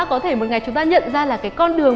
có thể một ngày chúng ta nhận ra là cái con đường